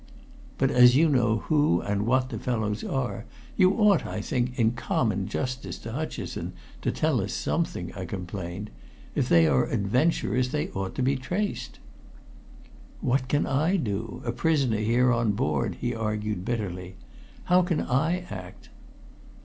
"But as you know who and what the fellows are, you ought, I think, in common justice to Hutcheson, to tell us something," I complained. "If they are adventurers, they ought to be traced." "What can I do a prisoner here on board?" he argued bitterly. "How can I act?"